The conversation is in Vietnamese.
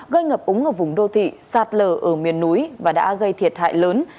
gây ngập úng ở vùng đô thị sạt lở ở miền núi và đã gây thiệt hại lớn